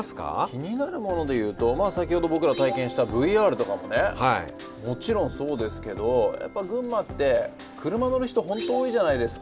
気になるもので言うと先ほど僕ら体験したＶＲとかもねもちろんそうですけどやっぱ群馬って車乗る人本当多いじゃないですか。